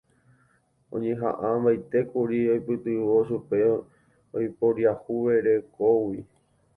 Oñeha'ãmbaitékuri oipytyvõ chupe oiporiahuverekógui